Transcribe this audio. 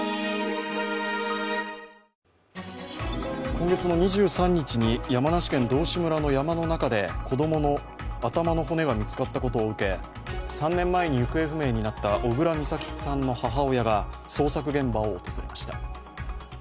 今月２３日に山梨県道志村の山の中で子供の頭の骨が見つかったことを受け、３年前に行方不明になった小倉美咲さんの母親が捜索現場を訪れました。